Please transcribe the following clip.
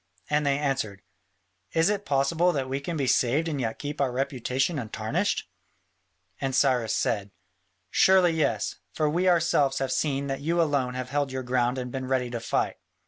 And they answered, "Is it possible that we can be saved and yet keep our reputation untarnished?" And Cyrus said, "Surely yes, for we ourselves have seen that you alone have held your ground and been ready to fight."